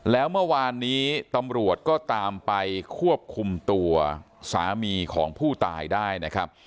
แล้วเมื่อวานนี้ตำรวจก็ตามไปควบคุมตัวสามีของผู้ตายได้นะครับ